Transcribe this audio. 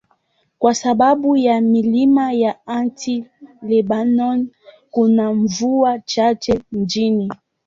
Kwa sababu ya milima ya Anti-Lebanon, kuna mvua chache mjini.